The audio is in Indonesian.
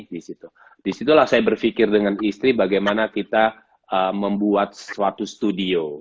disitulah saya berpikir dengan istri bagaimana kita membuat suatu studio